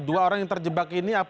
dua orang yang terjebak ini